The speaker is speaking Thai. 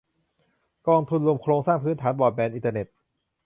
กองทุนรวมโครงสร้างพื้นฐานบรอดแบนด์อินเทอร์เน็ต